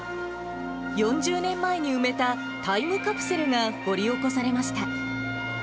４０年前に埋めたタイムカプセルが掘り起こされました。